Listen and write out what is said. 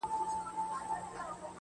خوند كوي دا دوه اشــــنا.